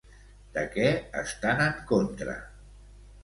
De què estan en contra?